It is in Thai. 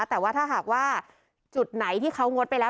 แต่ว่าถ้าหากว่าจุดไหนที่เขางดไปแล้ว